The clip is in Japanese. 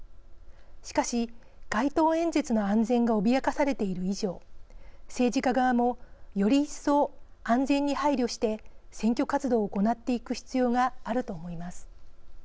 しかし街頭演説の安全が脅かされている以上政治家側もより一層安全に配慮して選挙活動を行っていく必要があると思います。